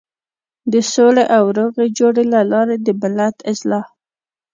د سولې او روغې جوړې له لارې د ملت اصلاح.